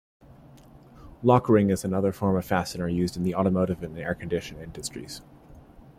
Lokring is another form of fastener used in the automotive and air condition industries.